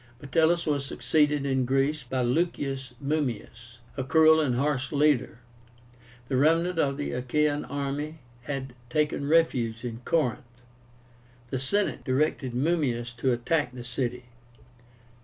Metellus was succeeded in Greece by LUCIUS MUMMIUS, a cruel and harsh leader. The remnant of the Achaean army had taken refuge in CORINTH. The Senate directed Mummius to attack the city.